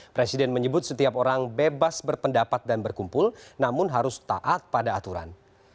presiden menyebut setiap orang bebas berpendapat dan berkumpul namun harus taat pada aturan